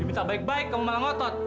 diminta baik baik kamu malah ngotot